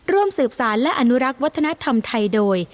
ร่วมสืบสารและอนุรักษ์วัฒนธรรมไทยโดย